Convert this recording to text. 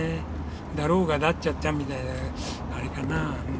だろうがだっちゃっちゃみたいなあれかな。